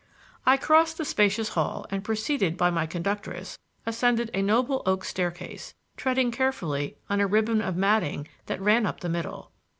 I crossed the spacious hall, and preceded by my conductress, ascended a noble oak staircase, treading carefully on a ribbon of matting that ran up the middle.